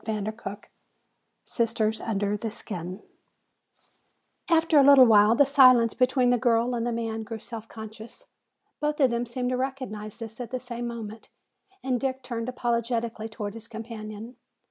CHAPTER XVII "Sisters under the Skin" After a little while the silence between the girl and man grew self conscious. Both of them seemed to recognize this at the same moment, and Dick turned apologetically toward his companion.